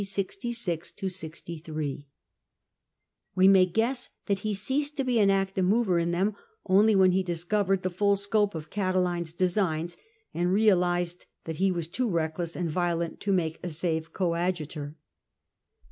66 63. i^^ty guess that he ceased to be an active mover in them only when he discovered the full scope of Catiline's designs, and realised that he was too reckless and violent to make a safe coadjutor.